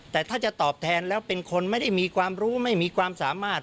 แต่ถ้าจะตอบแทนแล้วเป็นคนไม่ได้มีความรู้ไม่มีความสามารถ